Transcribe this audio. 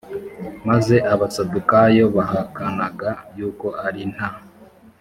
maze abasadukayo bahakanaga yuko ari nta